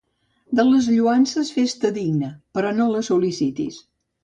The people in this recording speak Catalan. De les lloances fes-te digne, però no les sol·licitis.